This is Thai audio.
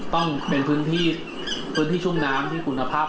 ต้องเป็นพื้นที่ชุ่มน้ำที่คุณภาพประเทศนะครับ